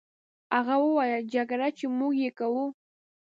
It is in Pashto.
هغه وویل: جګړه، چې موږ یې کوو.